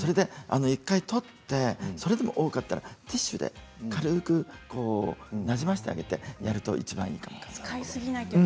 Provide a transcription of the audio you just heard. １回取ってそれでも多かったらティッシュで軽くなじませてあげてやるといちばんいいですね。